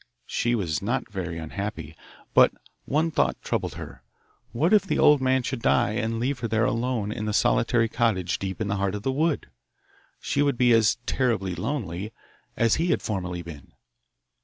She was not very unhappy, but one thought troubled her. What if the old man should die and leave her here alone in the solitary cottage deep in the heart of the wood! She would be as 'terribly lonely' as he had formerly been.